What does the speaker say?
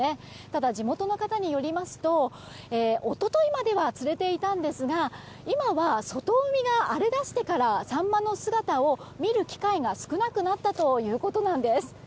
ただ地元の方によりますと一昨日までは釣れていたんですが今は、外海が荒れだしてからサンマの姿を見る機会が少なくなったということなんです。